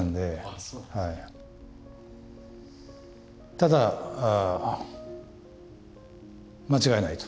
ただ間違いないと。